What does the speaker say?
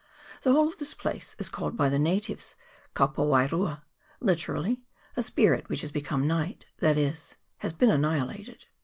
The whole of this place is called by the natives Kapowairua (literally, a spirit which has become night that is, has been annihilated).